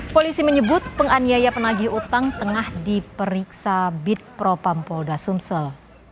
polisi menyebut penganiaya penagih utang tengah diperiksa bid propam polda sumsel